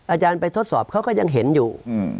อาจารย์ไปทดสอบเขาก็ยังเห็นอยู่